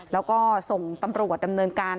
แล้วก็ส่งตำรวจดำเนินการ